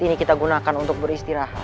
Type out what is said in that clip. usahanya kamu harus beristirahat